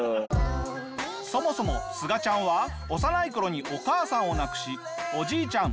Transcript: そもそもすがちゃんは幼い頃にお母さんを亡くしおじいちゃん